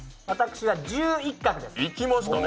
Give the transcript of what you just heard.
私は１１角です。